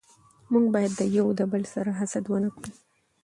موږ بايد يو دبل سره حسد و نه کړو